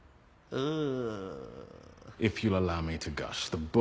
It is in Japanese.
うん。